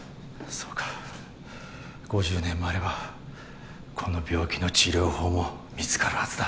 ５０年もあればこの病気の治療法も見つかるはずだ